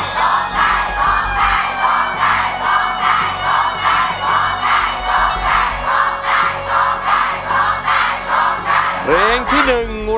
ร้องได้ร้องได้ร้องได้ร้องได้